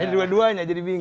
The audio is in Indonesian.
dua duanya jadi bingung